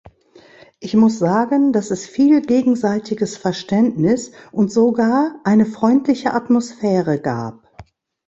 Ich muss sagen, dass es viel gegenseitiges Verständnis und sogar eine freundliche Atmosphäre gab.